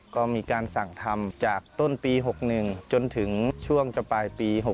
ก็มีการสั่งทำจากต้นปี๖๑จนถึงช่วงจะปลายปี๖๖